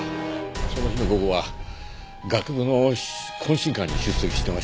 その日の午後は学部の懇親会に出席してました。